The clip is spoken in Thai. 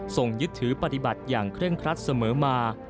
ยึดถือปฏิบัติอย่างเคร่งครัดเสมอมา